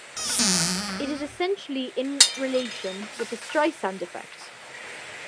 This is essentially in relation with the Streisand effect.